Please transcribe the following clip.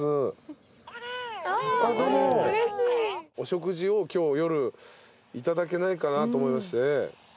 お食事を今日夜いただけないかなと思いまして。